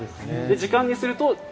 時間にすると？